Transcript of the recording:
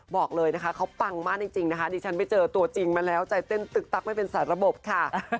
บอกเลยนะคะเขาปังมากจริงนะคะดิฉันไปเจอตัวจริงมาแล้วใจเต้นตึ๊กตั๊กไม่เป็นสารระบบค่ะ